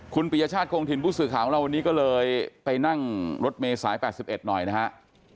คุณปียชาติคงถิ่นผู้สื่อข่าวของเราวันนี้ก็เลยไปนั่งรถเมย์สาย๘๑หน่อยนะฮะ